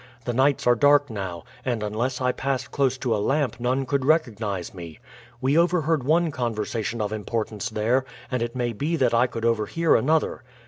The nights are dark now, and unless I pass close to a lamp none could recognize me. We overheard one conversation of importance there, and it may be that I could overhear another."